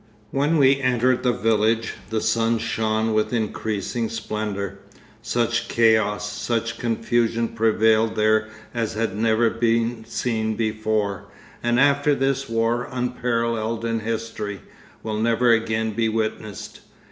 When we entered the village, the sun shone with increasing splendour. Such chaos, such confusion prevailed there as had never been seen before, and after this war, unparalleled in history, will never again be witnessed.